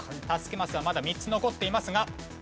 助けマスはまだ３つ残っていますが。